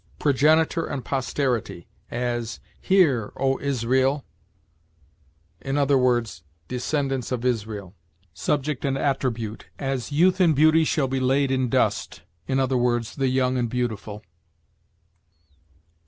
Progenitor and posterity; as, 'Hear, O Israel!' i. e., descendants of Israel. 3. Subject and attribute; as, 'Youth and beauty shall be laid in dust,' i. e., the young and beautiful. 4.